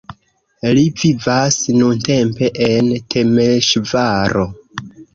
Li vivas nuntempe en Temeŝvaro.